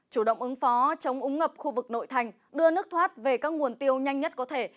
chủ động ứng phó chống ống ngập khu vực nội thành đưa nước thoát về các nguồn tiêu nhanh nhất có thể